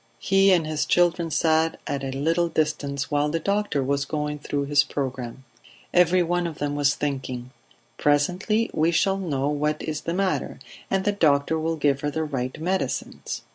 He and his children sat at a little distance while the doctor was going through his programme. Every one of them was thinking: "Presently we shall know what is the matter, and the doctor will give her the right medicines."